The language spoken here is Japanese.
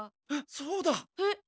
そうだ！えっ？